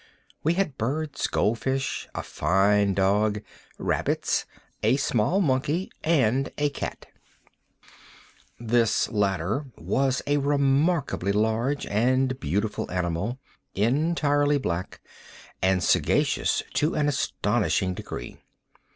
We had birds, gold fish, a fine dog, rabbits, a small monkey, and a cat. This latter was a remarkably large and beautiful animal, entirely black, and sagacious to an astonishing degree.